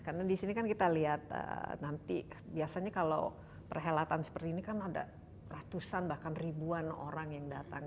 karena di sini kan kita lihat nanti biasanya kalau perhelatan seperti ini kan ada ratusan bahkan ribuan orang yang datang